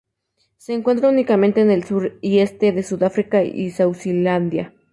Se encuentra únicamente en el sur y este de Sudáfrica y Suazilandia.